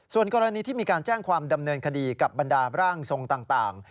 ส่วนกรณีที่มีการแจ้งความดำเนินคดีกับบรรดาร่างทรงต่าง